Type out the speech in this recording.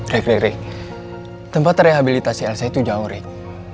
rik rik rik tempat rehabilitasi elsa itu jauh rik